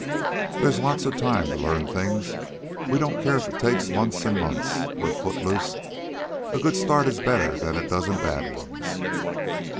There's lots of time to learn things. We don't care if it takes months and months. We're footloose. A good start is better than a dozen bad ones.